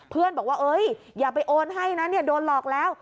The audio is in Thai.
เพื่อนบอกว่าอย่าไปโอนให้นะเนี่ยโดนหลอกแล้ว